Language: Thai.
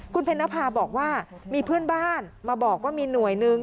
คุณเพ็ญนภาบอกว่ามีเพื่อนบ้านมาบอกว่ามีหน่วยหนึ่ง